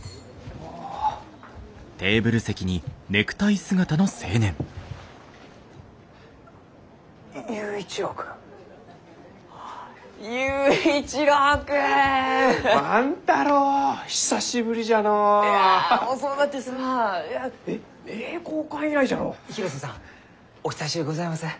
お久しゅうございます。